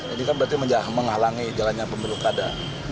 ini kan berarti menghalangi jalannya pemilu kada